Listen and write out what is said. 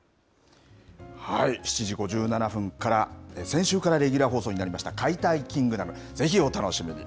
７時５７分から、先週からレギュラー放送になりました解体キングダム、ぜひお楽しみに。